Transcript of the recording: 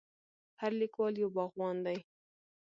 هر لیکوال یو باغوان دی.